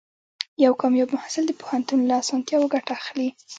یو کامیاب محصل د پوهنتون له اسانتیاوو ګټه اخلي.